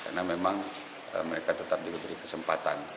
karena memang mereka tetap diberi kesempatan